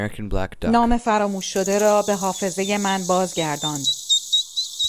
نام فراموش شده را به حافظه ی من بازگرداند!